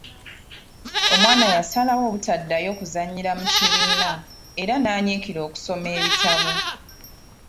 Omwana yasalawo obutaddayo kuzannyira mu kibiina era n'anyiikira okusoma ebitabo.